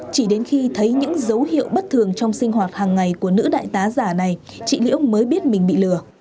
chỉ đến khi thấy những dấu hiệu bất thường trong sinh hoạt hàng ngày của nữ đại tá giả này chị liễu mới biết mình bị lừa